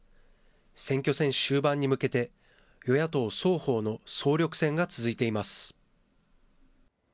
選挙戦終盤に向けて、与野党双方の総力戦が続いています。